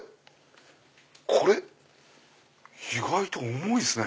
これ意外と重いですね。